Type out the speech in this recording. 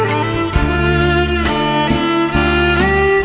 ครับ